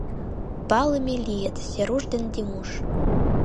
Палыме лийыт: Серуш ден Димуш.